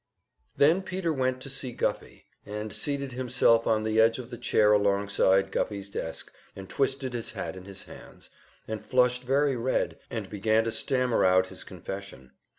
Then Peter went to see Guffey, and seated himself on the edge of the chair alongside Guffey's desk, and twisted his hat in his hands, and flushed very red, and began to stammer out his confession.